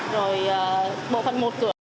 rồi bộ phần một cửa